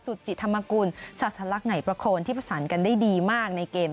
สุจิธรรมกุลศาสลักไหนประโคนที่ประสานกันได้ดีมากในเกม